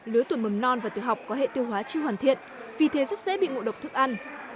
lưới tuổi mầm non và tử học có hệ tiêu hóa chưa hoàn thiện vì thế rất dễ bị ngộ độc thức ăn